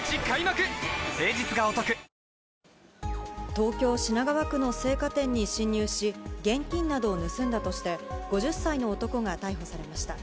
東京・品川区の青果店に侵入し、現金などを盗んだとして、５０歳の男が逮捕されました。